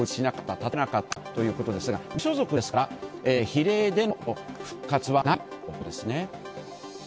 立てなかったということですが無所属ですから、比例での復活はないということですね。